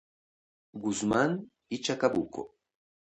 Guzmán y Chacabuco.